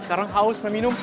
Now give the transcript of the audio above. sekarang haus mau minum